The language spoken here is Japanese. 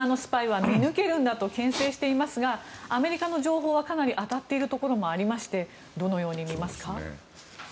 柳澤さん、西側のスパイは見抜けるんだとけん制していますがアメリカの情報はかなり当たっているところもありましてどのように見ますか？